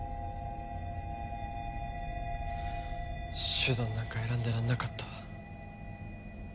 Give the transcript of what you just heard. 手段なんか選んでられなかった。